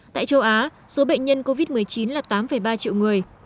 tại châu á số bệnh nhân covid một mươi chín là tám ba triệu người